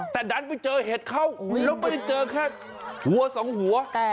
แต่ดันไปเจอเห็ดเข้าแล้วไม่ได้เจอแค่หัวสองหัว